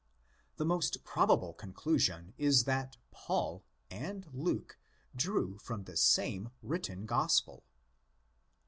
The most probable conclusion is that '' Paul" and '"' Luke" drew from the same written Gospel.!